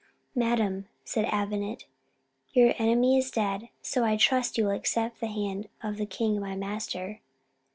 "Madam," said Avenant, "your enemy is dead: so I trust you will accept the hand of the king my master."